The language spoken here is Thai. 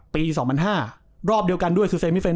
วันต่อมัน๕รอบเดียวกันด้วย